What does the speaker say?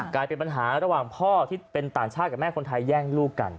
กลายเป็นปัญหาระหว่างพ่อที่เป็นต่างชาติกับแม่คนไทยแย่งลูกกัน